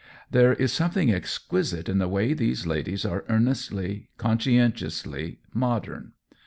There is some thing exquisite in the way these ladies are earnestly, conscientiously modern.